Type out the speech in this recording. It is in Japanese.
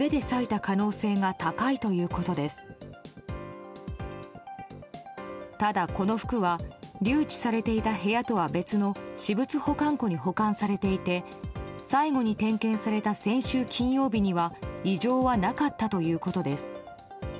ただ、この服は留置されていた部屋とは別の私物保管庫に保管されていて最後に点検された先週金曜日には異常はなかったということです。